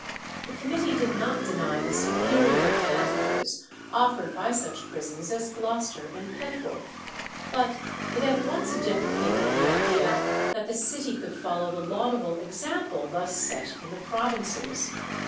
The committee did not deny the superior advantages offered by such prisons as Gloucester and Petworth, but it at once deprecated the idea that the city could follow the laudable example thus set in the provinces.